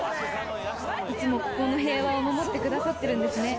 いつもここの平和を守ってくださってるんですね。